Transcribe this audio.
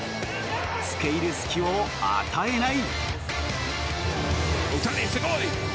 付け入る隙を与えない。